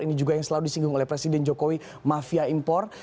ini juga yang selalu disinggung oleh presiden jokowi mafia impor